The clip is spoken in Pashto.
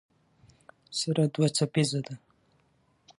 سره دوه څپیزه ده.